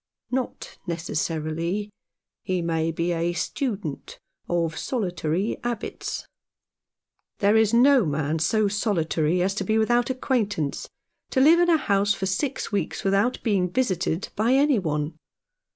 "Not necessarily. He may be a student, of solitary habits." 198 Chums. "There is no man so solitary as to be without acquaintance — to live in a house for six weeks without being visited by any one.